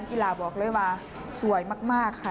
กีฬาบอกเลยว่าสวยมากค่ะ